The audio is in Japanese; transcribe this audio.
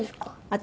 「私？